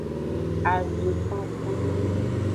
Avinfanfan.